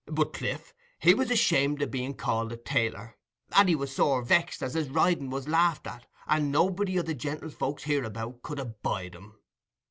But Cliff, he was ashamed o' being called a tailor, and he was sore vexed as his riding was laughed at, and nobody o' the gentlefolks hereabout could abide him.